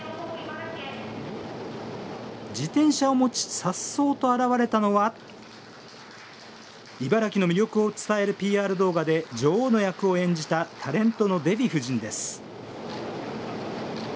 自転車を持ち、颯爽と現れたのは茨城の魅力を伝えるＰＲ動画で女王の役を演じたタレントのデヴィ夫人です。